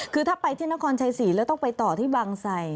คือถ้าไปที่นครชัยศรีแล้วต้องไปต่อที่บางไส